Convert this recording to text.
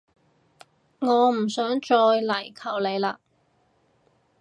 我唔想再嚟求你喇